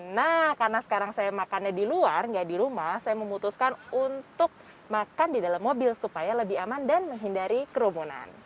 nah karena sekarang saya makannya di luar nggak di rumah saya memutuskan untuk makan di dalam mobil supaya lebih aman dan menghindari kerumunan